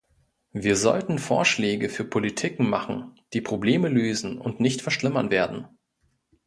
Wir sollten Vorschläge für Politiken machen, die Probleme lösen und nicht verschlimmern werden.